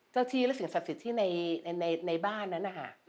เจ้าที่และสิ่งศัพท์สิทธิในบ้านนั้นนะฮะ